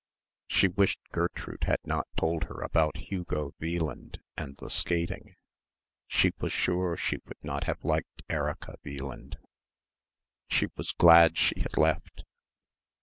She wished Gertrude had not told her about Hugo Wieland and the skating. She was sure she would not have liked Erica Wieland. She was glad she had left.